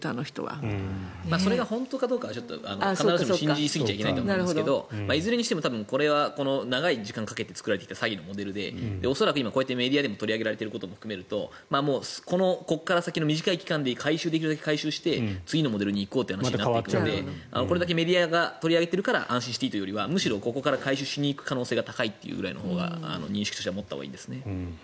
それが本当かどうかは信じすぎちゃいけないと思うんですけどいずれにしてもこれは長い時間をかけて作られてきた詐欺のモデルで恐らくこうやってメディアでも取り上げられていることを考えるとここから先の短い期間で回収できるだけ回収して次のモデルに移行するという感じだと思うのでこれだけメディアが取り上げてるから安心していいというよりは回収しに行く可能性が高いというぐらいの認識を持ったほうがいいですね。